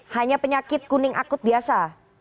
hanya penyakit kuning akut biasa